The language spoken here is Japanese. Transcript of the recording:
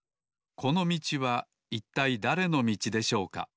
このみちはいったいだれのみちでしょうか？